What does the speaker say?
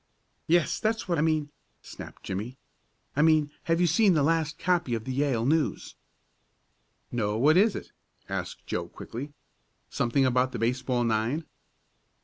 "Yes, that's what I mean!" snapped Jimmie. "I mean have you seen the last copy of the Yale News?" "No; what is it?" asked Joe quickly. "Something about the baseball nine?"